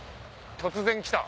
突然来た。